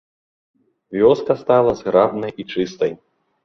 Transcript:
Вёска стала зграбнай і чыстай.